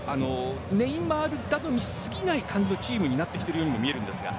ネイマール頼みすぎない感じのチームになってきているようにも見えるんですが。